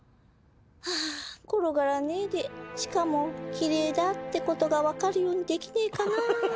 ハァ転がらねえでしかもきれいだってことが分かるようにできねえかな。